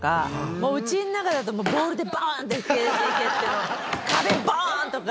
もううちの中だとボールでバーンって蹴って壁バーン！とか。